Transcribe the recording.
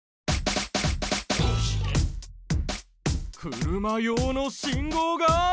車用の信号が低い！？